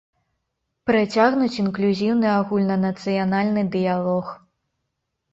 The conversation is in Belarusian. Працягнуць інклюзіўны агульнанацыянальны дыялог.